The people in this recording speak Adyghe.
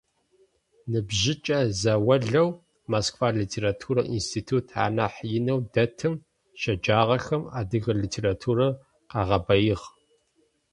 Ныбжьыкӏэ заулэу Москва литературэ институт анахь инэу дэтым щеджагъэхэм адыгэ литературэр къагъэбаигъ.